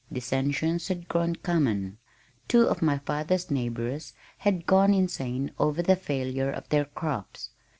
Dissensions had grown common. Two of my father's neighbors had gone insane over the failure of their crops.